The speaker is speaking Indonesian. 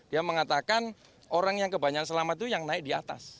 dia mengatakan orang yang kebanyakan selamat itu yang naik di atas